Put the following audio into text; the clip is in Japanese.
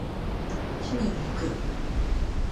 締めに行く！